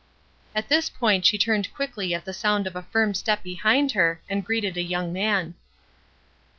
At this point she turned quickly at the sound of a firm step behind her, and greeted a young man.